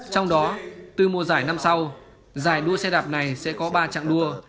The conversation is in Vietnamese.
trong đó từ mùa giải năm sau giải đua xe đạp này sẽ có ba trạng đua